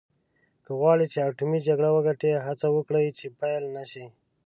که غواړې چې اټومي جګړه وګټې هڅه وکړه چې پیل نه شي.